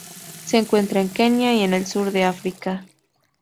Se encuentra en Kenia y en el sur de África.